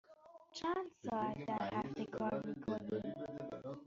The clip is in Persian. چند ساعت در هفته کار می کنی؟